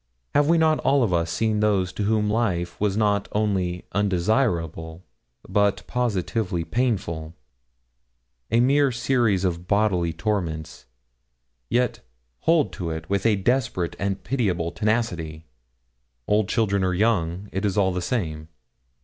Have we not all of us seen those to whom life was not only undesirable, but positively painful a mere series of bodily torments, yet hold to it with a desperate and pitiable tenacity old children or young, it is all the same.